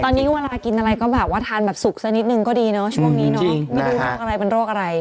ตอนนี้เวลากินอะไรก็แบบว่าทานแบบสุกซะนิดนึงก็ดีเนาะช่วงนี้เนาะ